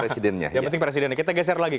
presidennya yang penting presidennya kita geser lagi